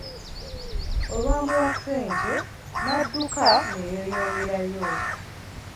Olwamuwa ssente n'adduka ne yeeyongerayo.